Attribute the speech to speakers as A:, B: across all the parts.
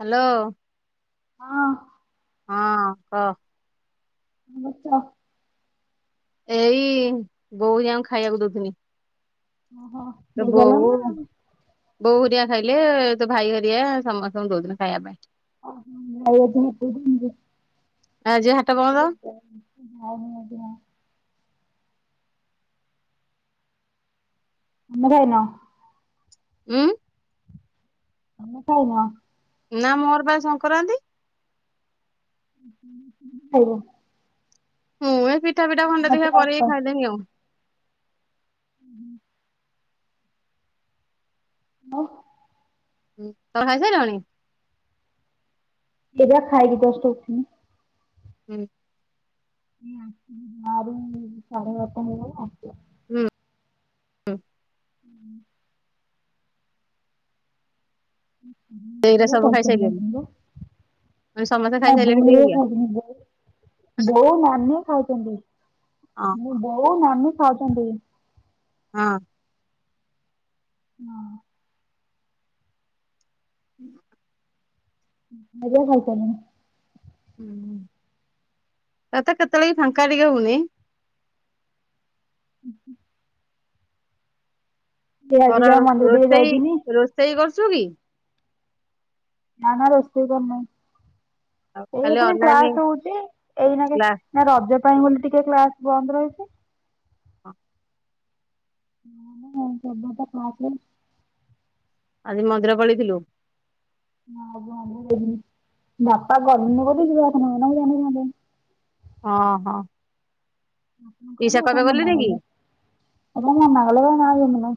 A: Hello.
B: ହଁ।
A: ହଁ କହ।
B: କଣ କରୁଛ?
A: ଏଇ ବୋଉ ହେରିକାଙ୍କୁ ଖାଇବାକୁ ଦଉଥିନି।
B: ଓହୋ
A: ତ
B: ଦେଇଗଲ
A: ବୋଉ
B: ନା
A: ବୋଉ ହେରିକା ଖାଇଲେ ତୋ ଭାଇ ହରିଆ ସମସ୍ତଙ୍କୁ ଦଉଥିଲି ଖାଇବା ପାଇଁ।
B: ଓ ହୋ
A: ଆଜି ହାଟ ବନ୍ଦ
B: [unintelligible] [unintelligible] ତମେ ଖାଇନ?
A: ଉଁ।
B: ତମେ ଖାଇନ?
A: ନା ମୋର ପା ଆଜି ସଂକ୍ରାନ୍ତି।
B: [unintelligible]
A: ମୁଆଁ ପିଠା ପିଠା ଖଣ୍ଡେ ଦେଖିଆ କରି ଖାଇଦେମି ଆଉ।
B: ମୋ।
A: ହୁଁ ତମେ ଖାଇସାରିଲଣି?
B: ଏବେ ଖାଇକି ଜଷ୍ଟ ଉଠିନି
A: ହୁଁ।
B: ଁ [unintelligible] ଆ ଆ ସାର ବାରେଟା [inaudible]
A: ହୁଁ।
B: ହୁଁ।
A: ଦେଇ ହରିକା
B: ହୁଁ ମୁଁ
A: ସବୁ
B: ତମ
A: ଖାଇସାଇଲେଣି
B: ପାଇଁ
A: ମାନେ ସମସ୍ତେ ଖାଇସାଇଲେଣି ଦେଇ ହରିକା
B: [unintelligible] [unintelligible] ବୋଉ ନାନୀ ଖାଉଛନ୍ତି
A: ହଁ
B: ମୋ ବୋଉ ନାନୀ ଖାଉଛନ୍ତି।
A: ହଁ।
B: ହଁ [unintelligible] ଖାଇ ସାରିଲେଣି।
A: ହୁଁ। ତତେ କେତେବେଳେ ବି ଫାଙ୍କା ଟିକେ ହଉନି?
B: ହୁ ହୁ। ଏ ଆଜି
A: ଖରା
B: ଯାହା
A: ରୋ
B: ମନ୍ଦିର ଟିକେ
A: ରୋଷେଇ
B: ଯାଇଥିଲି
A: ରୋଷେଇ କରୁଛୁ କି?
B: ନା ନା ରୋଷଇ କରି
A: ଆଉ
B: ନାହିଁ। ଏଇ
A: ଖାଲି
B: ତ
A: ଅନଲାଇନ
B: କ୍ଲାସ ହଉଛି ଏଇନା କେ
A: କ୍ଲାସ
B: ନା ରଜ ପାଇଁ ବୋଲି ଟିକେ କ୍ଲାସ ବନ୍ଦ ରହୁଛି। [inaudible]
A: ଆଜି ମନ୍ଦିର ପଳେଇଥିଲୁ?
B: ବାପା [unintelligible]
A: ହଁ ହଁ। ପିଇସା
B: [inaudible] ଏଟ
A: କବେ
B: ମନା
A: ଗଲେଣି କି?
B: କଲେ। [inaudible]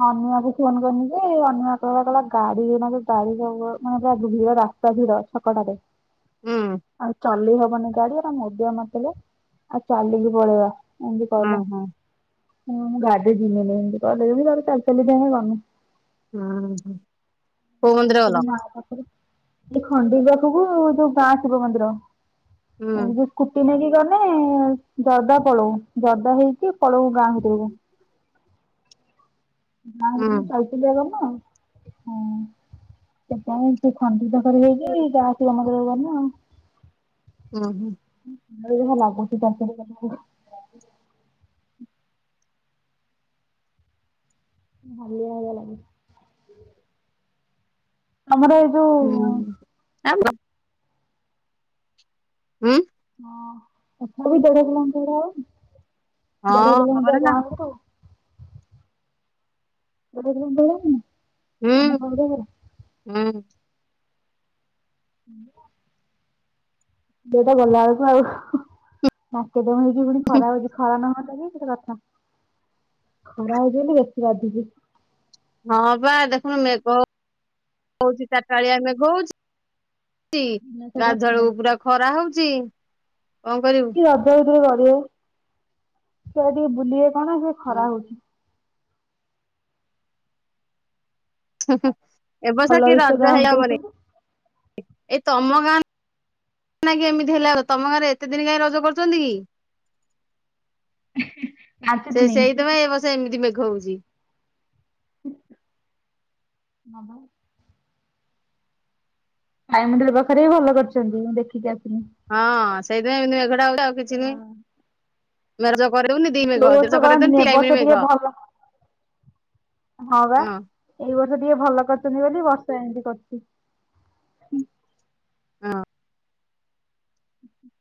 B: ମାମୁ ଘରକୁ [unintelligible] ରାସ୍ତା ଭିଡ ଛକା ଟା ରେ
A: ଉଁ
B: ଆଉ ଚାଲି ହବନି ଗାଡି ମଦୁଆ ମାତଳିଆ ଆ ଚାଲିକି ପଳେଇବା।
A: ହ ହୋ।
B: ହଁ [unintelligible]
A: ହଁ ହ।
B: ଗଁ ଭିତରେ ମାଁ ପାଖରେ ଏ ଖଡେଇ ପାଖକୁ ଯୋଉ ଗାଁ ଶିବ ମନ୍ଦିର
A: ହୁଁ
B: [unintelligible] ସ୍କୁଟୀ ନେଇକି। [unintelligible] ଜେ ଜରଦା ପଳଉ ଜରଦା ହେଇକି ପଳଉ ଗାଁକୁିତରକୁ। ଗାଁ
A: ହୁଁ
B: ଭୀତରକୁ ଚାଲିଚାଲି ଆ ଗଲା ହଁ ସେପାଇ ସେ ଖନ୍ଦିକ
A: ହୁଁ
B: [unintelligible]
A: ହୁଁ ହୁଁ।
B: [inaudible] ହିଲିିଆ ହାଲିଆ ଲାଗୁଛି। ଆମର ଏଇ ଯୋଉ
A: ଆ [unintelligible] ହୁଁ?
B: ହଁ ତଥାପି ଦେଢ କିଲୋମିଟର ଆଉ
A: ହଁ
B: ଦେଢ
A: ହବରେ ନା
B: କିଲୋମିଟର [inaudible] [unintelligible]
A: ହୁଁ
B: ଆମ ଘର ପାଖରୁ
A: ହୁଁ
B: ଦିଟା ଗଲା ବେଳକୁ ଆଉ ନାକେ ଦମ ହେଇକି ପୁଣି ଖରା ହଉଛି ଖରା ନହ ଖରା ହେଉଛି ବୋଲି ବେଶୀ ବାଧୁଛି।
A: ହଁ ବା ଦେଖୁନୁ ମେଘ, ହଉଛି ଚାରିଟାଳିଆ ମେଘ ହଉଛି ଛି
B: ଦିନସାରା ଖରା
A: ଗାଧୁଆଳକୁ ପୁରା ଖରା ହଉଚି। କଣ କରିବୁ?
B: କି ରଜ କରିବେ ଭିତରେ ସେଟା ଟିକେ ବୁଲିବେ କଣ ସେ
A: ହୁଁ।
B: ଖରା ହଉଛି।
A: ହିଁ ହିଁ ଏ ବର୍ଷ
B: ଭଲ
A: କି
B: ହେଇଛି ତ
A: ରଜ
B: ଗାଁ
A: ହେଲା
B: ଭିତରେ
A: ହେବନି
B: ସବୁ।
A: ଏଇ ତମ ଗାଁ ନଁକ ଏମିତି ହେଲା ଆ ତମ ଗାଁରେ ଏତେ ଦିନ କାହିଁ ରଜ କରୁଛନ୍ତି କି?
B: ପାଞ୍ଚ
A: ସେ
B: ଦିନି
A: ସେଇଥିପାଇଁ ଏ ବର୍ଷ ର୍ଏମିତି ମେଘହଉଛି।
B: [unintelligible] ସାଇ ମନ୍ଦିର ପାଖରେ ହି ଭଲ କରିଛନ୍ତି ମୁଁ ଦେଖିକି ଆସିି
A: ହଁ ସେଇଥିପାଇଁ ଏମତି ମେଘଟା ହଉଛି ଆଉ କିଛି ନାହିଁ।
B: ଲୋ ବର୍ଷ କରନ୍ତିନି ବର୍ଷ ଟିକେ ଭଲ [unintelligible] ହଁ ବା ଏଇ ଗୋଟ ଏ ବର୍ଷ ଟିକେ ଭଲ କରିୁଛନ୍ତି ବୋଲି ବର୍ଷା ଏମତି କରୁଛି।
A: ହଁ।
B: ହୁଁ [inaudible]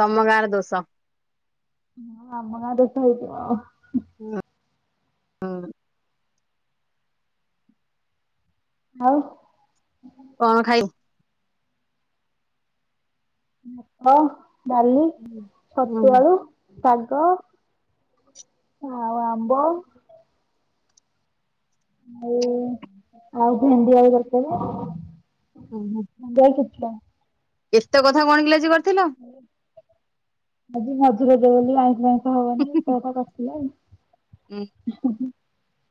A: ତମଗାଁ ର ଦୋଷ।
B: ହଁ ଆମ ଗାଁ ଦୋଷ ହୋଇଥିବ।
A: ହୁଁ ହୁଁ।
B: ଆଉ।
A: କଣ ଖାଇବୁ?
B: ଭାତ ଡାଲି
A: ହୁଁ
B: ଛତୁଆଳୁ ଶାଗ ଆଉ ଆମ୍ବ ଆଉ ଆଉ ଭେଣ୍ଡି ଆଳୁ ତରକାରି
A: ହୁଁ
B: ବଲ କିଛିା [unintelligible]
A: ଏତେ କଥା କଣ କିଲୋ ଅଜ କର
B: ଆଜି ମଝି ରଜ ବୋଲି ଆଇଁସ ଫାଇଁସ ହବନି ଥିଲା ଆ
A: ହୁଁ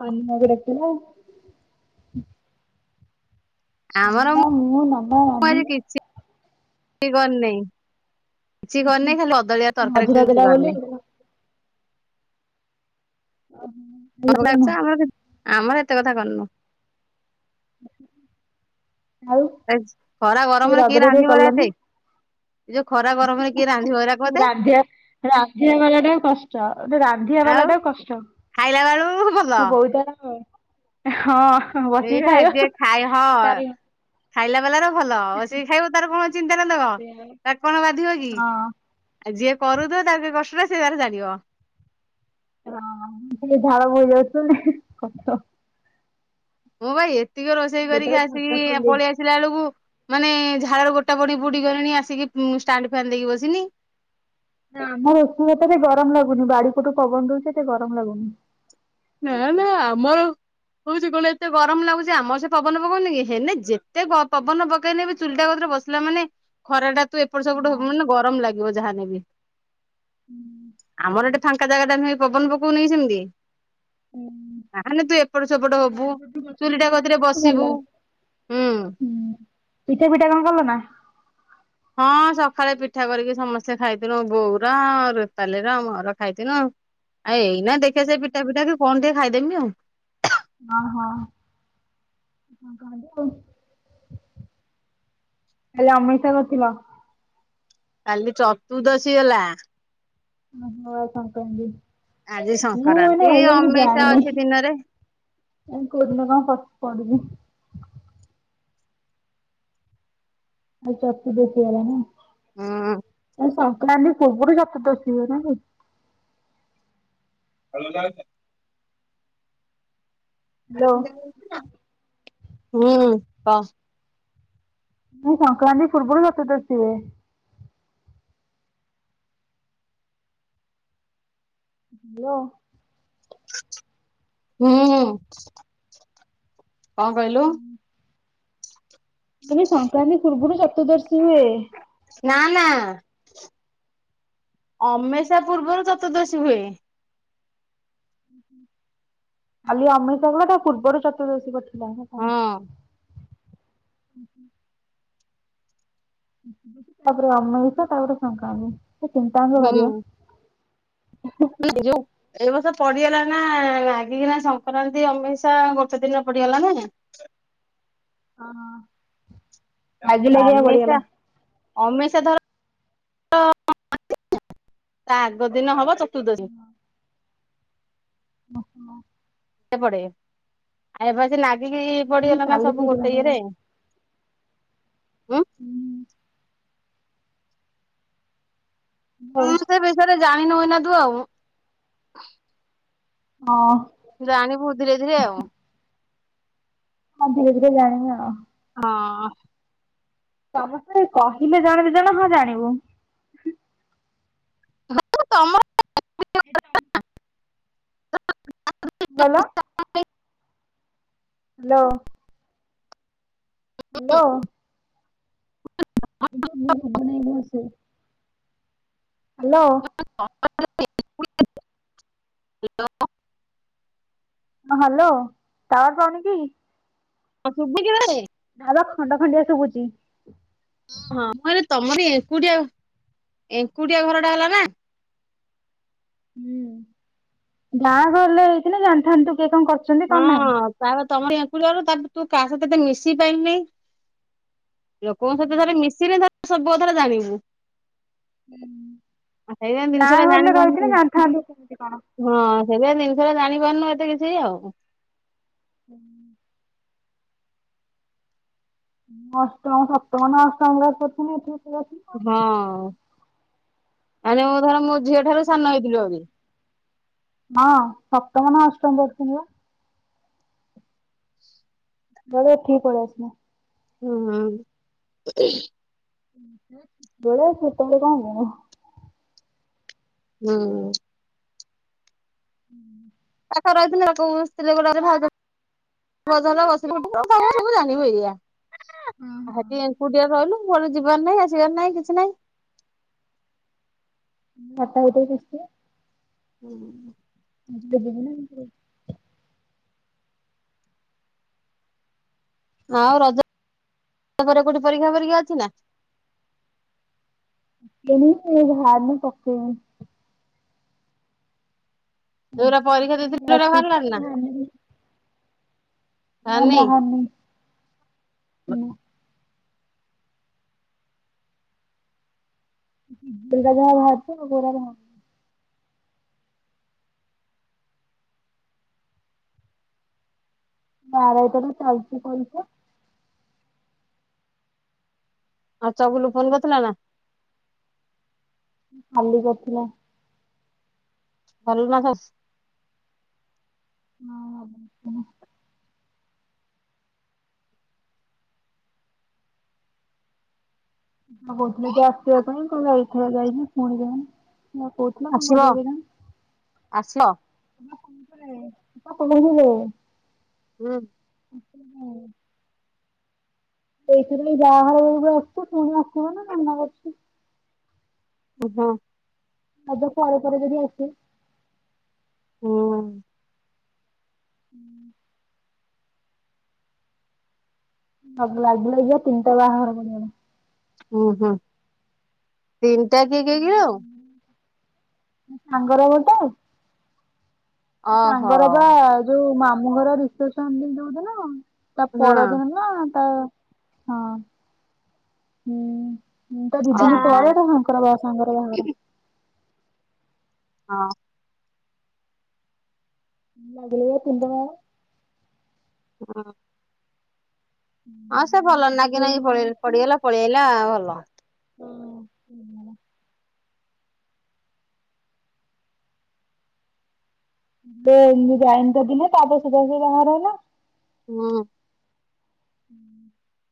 B: ଆମଗଡ କେଥିଲା [unintelligible]
A: ଆମର
B: ମୁଁ ମାମା
A: ମୁ
B: ମାମି
A: ଆଜି କିଛି କରନେଇ କିଛି କରିନି ଆଦାଳିଆ ତରକାରୀ
B: ମଝିରଜ
A: କେମିତି
B: ଟା ବୋଲି
A: କରିନି [unintelligible]
B: କିଛି
A: ଆମର
B: କାମ।
A: ଆମର ଏତେ କଥା କରନୁ।
B: ଆଉ
A: ଖରା
B: ଏଇ
A: ଗରମରେ କିଏ
B: ରଜରେ ଟିକେ
A: ରାନ୍ଧିବ ଏରା
B: କଲନି
A: ଏତେ? ଏ ଯୋଉ ଖରା ଗରମରେ କିଏ ରାନ୍ଧିବରା କହତେ
B: ରାନ୍ଧିବା ରାନ୍ଧିବା ବାଲା ଟା କଷ୍ଟ ରାନ୍ଧିବା ବାଲା
A: ଆଉ
B: ଟା କଷ୍ଟ
A: ଖାଇଲା ବେଳୁ ଭଲ
B: ମୋ ବୋଉ ତାର ହଁ ବସିକି
A: ଏଇ
B: ଖାଇବ
A: ଯେ ଖାଇ ହ
B: ତାର ହଁ
A: ଖାଇଲା ବାଲାର ଭଲ ଆଉ ସେ ଖାଇବ ତାର କଣ ଚିନ୍ତା ନବ ତା କଣ ବାଧିବ କି? ଆଉ ଯିଏ କରୁଥିବ ତା କଷ୍ଟଟା ସେ ତାର ଜାଣିବ।
B: ହ ସେ ଝାଳ ବୋହି ଯାଉଥିବା କଷ୍ଟ
A: ମୁଁ ଭାଇ ଏତିକି ରୋଷେଇ
B: ବୋତଲ
A: କରିକି
B: ଝରକା
A: ଆସିକି
B: ଖୋଲି ଦେଇଛି
A: ପଳେଇ ଆସିଲା ବେଳକୁ ମାନେ ଝାଳ ଗୋଟେ ପଟ ପଡି ବୁଡି ଗଲେଣି ଆସିକି ଷ୍ଟାଣ୍ଡ ଫ୍ୟାନ୍ ଦେଇକି ବସିନି।
B: ନା ଆମର ଏଠି ଏତେ ଗରମ ଲାଗୁନି ବାଡି ପଟୁ ପବନ ବହୁଛି ଏତେ ଗରମ ଲାଗୁନି।
A: ନା ନା ଆମର ହଉଛି କଣ ଏତେ ଗରମ ଲାଗୁଛି ଆମର ସେ ପବନ ପକଉନି କି ହେନେ ଯେତେ ପବନ ପକେଇନେବ ଚୁଲିଟା କ ବସିଲା ମାନେ ଖରା ଟା ତୁ ଏପଟ ସେପଟ
B: ହଁ
A: ମାନେ ଗରମ ଲାଗିବ ଯାହେନେ ବି।
B: [inaudible]
A: ଆମର ଏଠି ଫାଙ୍କା ଜାଗା ଟା ନୁହେଁ ପବନ ପକଉନି କି ସେମିତି ନା ତୁ ଏପଟ ସେପଟ ହବୁ
B: ବାଡି ପଟୁ ଗଛ ଫଛ
A: ଚୁଲିଟା କତିରେ
B: ଆସିଛି ଭଲ
A: ବସିବୁ। ହୁଁ।
B: ହୁଁ ପିଠା ପିଠା କଣ କଲ ନା?
A: ହଁ ସକାଳେ ପିଠା କରିକି ସମସ୍ତେ ଖାଇଥିଲୁ ବୋଉର ରୁପାଲୀ ର ମୋର ଖାଇଥିଲୁ। ଆ ଏଇନା ଦେଖେ ସେ ପିଠା ପିଠା କି କଣ ଟିକେ ଖାଇଦେମି ଆଉ
B: ହଁ ହଁ। ହେଲେ [unintelligible]
A: କାଲି ଚତୁ ଦଶୀ ଗଲା।
B: ଓ [inaudible] ସଂକ୍ରାନ୍ତି
A: ଆଜି
B: ମୁଁ ଏଇନା
A: ସଂଙ୍କରାନ୍ତି ଅମେସିଆ ଅଛି ଦିନରେ।
B: ଏ କଉଦିନ କଣ କ ପଡୁଛି। ଆ ଚତ୍ରୁ ଦଶୀ ହେଲା ନା?
A: ହୁଁ।
B: କି ପୁର୍ବୁରୁ ଚତୃ ଦଶି ନା କି?
A: [unintelligible]
B: ହ୍ୟାଲୋ।
A: ହୁଁ କ।
B: ମୁଁ ସଂକ୍ରାନ୍ତି ପୂର୍ବରୁ ଚତୁଃଦସୀ ହୁଏ। ହ୍ୟାଲୋ।
A: ହୁଁ କଣ କହିଲୁ?
B: ମାନେ ସଂ
A: ନା ନା ଅମେଇସା ପୂର୍ବରୁ ଚତୁର୍ଦ୍ଦଶୀ ହୁଏ।
B: କାଲି ଅମେଇସିଆ ଗଲା ତା ପୂର୍ବରୁ ଚତୁର୍ଦଶୀ ପଡିଥିଲା ନା
A: ହଁ
B: କଣ? ହୁଁ ହୁଁ। ତାପରେ ଅମାବାସ୍ୟା ତାପରେ ସଂକ୍ରାନ୍ତି ସେ ତିନିଟା ଙ୍କ ବାରିବ।
A: ଯଉ ଏ ବର୍ଷ ପଡିଗଲା ନା ନାଗିକିନା ସଂକ୍ରାନ୍ତି ଅମେଇସା ଗୋଟେ ଦିନ ପ ଡିଗଲା ନା ନାଇଁ।
B: ହଁ ହଁ।
A: ଅମେଇସା ଅମେଇସା ଧର [unintelligible] ତା ଆଗ ଦିନ ହବ ଚତୁର୍ଦ୍ଦଶୀ।
B: ଓହ।
A: ପଡେ ଆଉ ଏବେ ସେ ନାଗିକି ପଡିଗଲା ନା
B: କାଲି
A: ସବୁ
B: ହେଇଥିଲା
A: ଗୋଟେ
B: ମୋର।
A: ଇଏରେ। ଉଁ
B: ହୁଁ। ହଉ
A: ହଁ ସେ ବିଷୟରେ ଜାଣିନୁ ଏଇନା ତୁ ଆଉ।
B: ହଁ।
A: ଜାଣିବୁ ଧୀରେ ଧୀରେ ଆଉ।
B: ହମ୍ ଧୀରେ ଧୀରେ ଜାଣିବା ଅଉ।
A: ହଁ।
B: ତମସ୍ତେ କହିଲେ ଜଣେ ଦିଜଣ ହଁ ଜାଣିବୁ
A: ହଁ ତମର
B: କହିଲ? ହେଲୋ। ହ।
A: ହ୍ୟାଲୋ।
B: ହ ହ୍ୟାଲୋ ଟାୱାର ପାଉନିକି?
A: ଶୁଭୁଚି କି ନାହିଁ?
B: ନା ବା ଖଣ୍ଡ ଖଣ୍ଡିଆ ଶୁଭୁଚି।
A: ହଁ ମୁଁ କହିଲି ତମରି ଏକୁଟିଆ ଏକୁଟିଆ ଘର ଟା ହେଲା ନା।
B: ହୁଁ ଗାଁ ଘରଲେ ହେଇଥିଲେ ଜାଣିଥାନ୍ତୁ କିଏ କଣ କରିଛନ୍ତି କଣ ନାହିଁ।
A: ହଁ ତାପରେ ତମର ଏକୂଟିଆ ତାପ ତୁ କାହା ସହିତ ଏତେ ମିଶି ପାଇଲୁନି। ଲୋକଙ୍କ ସହିତ ଥରେ ମିଶିନେ ଥରେ ସବୁ କଥ ଟା ଜାଣିବୁ।
B: ହୁଁ।
A: ସେଇ ପାଇଁ ଜିନିଷ ଟା ଜାଣିିପାରୁନୁ।
B: କେମିତି କଣ।
A: ହଁ ସେଇ ପା ଜି ଏ ଜାଣିପାରୁନୁ ଏତେ କିଛି ଆଉ।
B: ହୁଁ। ଅଷ୍ଟମ ସପ୍ତମ ନା ଅଷ୍ଟମ କ୍ଲାସ୍ ପଢୁଥିଲି ଏଠିକି ପଳେଇଆସ
A: ହଁ। ମାନେ ମୁଁ ଧର ମୋ ଝିଅ ଠାରୁ ସାନ ହେଇଥିଲୁ ଆହୁରି।
B: ହଁ ସପ୍ତମନା ଅଷ୍ଟମ ପଢ଼ୁଥିଲି ବା ନହେଲେ ଏଠିକି ପଳେଇଆସିନୁ।
A: ହଁ।
B: [unintelligible]
A: ହୁଁ।
B: [inaudible]
A: ପର ହେଇଥିଲେ ତାକୁ ସିଲେ [unintelligible] [unintelligible] ବସିଲୁ ଉଠିଲୁ ସବୁ ଜାଣିବୁ ଏଇଆ ଆ ହେଟି ଏଙ୍କୁଟିଆ ରହିଲୁ। ଘରୁ ଯିବାର ନାହିଁ ଆସିବାର ନାହିଁ କିଛି ନାହିଁ।
B: [unintelligible]
A: ହୁଁ।
B: [unintelligible]
A: ଆଉ ରଜ [inaudible] କୋଉଠି ପରୀକ୍ଷା ଫରୀକ୍ଷା ଅଛି ନା?
B: [unintelligible] ଭାରିନି ପକେଇନି।
A: ଯୋଉରା ପରୀକ୍ଷା ଦେଇଥିଲୁ ସେଗୁରା ବାହାରିଲାଣି ନା?
B: [unintelligible] ନା ବାହାରିନି। [unintelligible] ଯୋଉରା ଯାହା ବାହାରିଥିବ [unintelligible] ବାରଟାରୁ ଚାଲଚି ପରୀକ୍ଷା।
A: ଆଉ ଚଗୁଲୁ ଫୋନ କରିଥିଲା ନା?
B: ହଁ କାଲି କରିଥିଲା।
A: ଭଲ ନା ସବୁ
B: ହଁ [unintelligible] କଣ କହୁଥିଲେ ଯେ ଆସିବା ପାଇଁ କହିଲା ଏଇଥର ଯାଇନି ଫୁଣି ଯାଇନି। ମତେ କୋହୁଥିଲା କଣ
A: ଆସିବ
B: କରିବ କେଜାଣି।
A: ଆସିବ
B: [inaudible] [unintelligible]
A: ହୁଁ।
B: ଏଥରିକ ଯାହା ହୋଉ [unintelligible] ଫୁଣି ଆସିବ ନା ମନା କରୁଚି।
A: ଓହୋ।
B: ରଜ ପରେ ପରେ ଯଦି ଅଛ।
A: ହୁଁ।
B: ହୁଁ। ସବୁ ଲାଜ ଲାଗିବ ତିନି ଟା ବାହାଘର। [unintelligible]
A: ହୁଁ ହୁଁ ତିନଟା କିଏ କି ଓ?
B: ସାଙ୍ଗ ର ଗୋଟେ? ତା
A: ଓହୋ
B: ସାଙ୍ଗର ବା ଯୋଉ ମାମୁଁ ଘର ରିସେପସନ ଦିନ ଗଲା। ତା
A: ହଁ
B: ପରଧନ। ହୁଁ ତା
A: ଓହୋ।
B: ଦି'ଦିନି ପରେ ତା ହଁ ଶଙ୍କର ବାବା ଙ୍କର ବାହାଘର।
A: ହଁ।
B: [unintelligible]
A: ହଁ। ହଁ ସେ ଭଲ ନାଗି ନାଗି ପଳେଇ ପଡିିଗଲା। ପଳେଇ ଆଇଲା ଭଲ।
B: [unintelligible] [unintelligible] ଦିନେ [unintelligible] ବାହାର ହେଲା।
A: ହଁ।
B: ହୁଁ।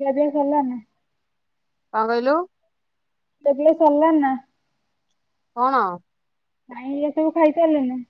B: କେବେ କଲ ନା?
A: କଁ କହିଲୁ?
B: ଖିଆପିଆ ସରିଲାଣି ନା?
A: କଣ?
B: ନାଇଁ ଏଇ ସବୁ ଖାଇସାରିଲୁ